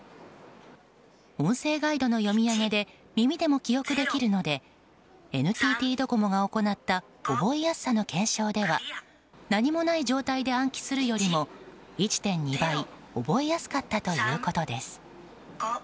音声ガイドの読み上げで耳でも記憶できるのでＮＴＴドコモが行った覚えやすさの検証では何もない状態で暗記するよりも１．２倍ほど覚えやすかったということです。